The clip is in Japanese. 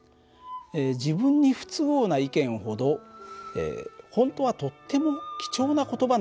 自分に不都合な意見ほど本当はとっても貴重な言葉なのかもしれませんよ。